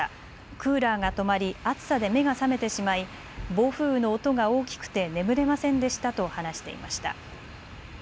クーラーが止まり暑さで目が覚めてしまい暴風雨の音が大きくて眠れませんでしたと話していました。